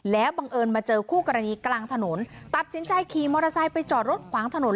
แล้วบังเอิญมาเจอคู่กรณีกลางถนนตัดสินใจขี่มอเตอร์ไซค์ไปจอดรถขวางถนน